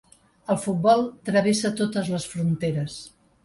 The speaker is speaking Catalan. El futbol travessa totes les fronteres.